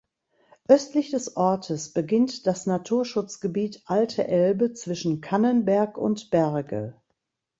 Östlich des Ortes beginnt das Naturschutzgebiet „Alte Elbe zwischen Kannenberg und Berge“.